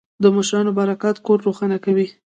د مشرانو برکت کور روښانه کوي.